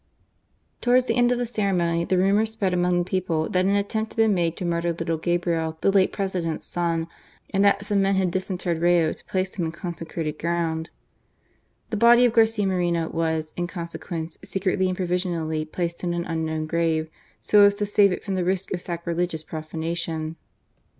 Towards the end of the ceremonj the rumour spread among the people that an attempt had been made to murder little Gabriel, the late President's son, and that some men had disinterred Rayo to place him in consecrated ground. The body of Garcia Moreno was, in consequence, secretly and provisionally placed in an unknown grave, so as to save it from the risk of sacrilegious profanation.